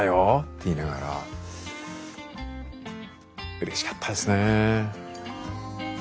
うれしかったですね。